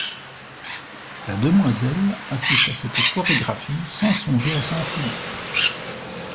La demoiselle assiste à cette chorégraphie sans songer à s'enfuir.